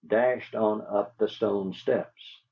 dashed on up the stone steps.